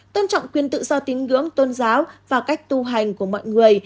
tôn trọng quyền tự do tính gưỡng tôn giáo và cách tu hành của mọi người